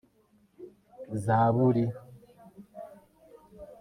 zaburi ,